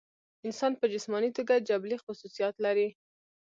انسان پۀ جسماني توګه جبلي خصوصيات لري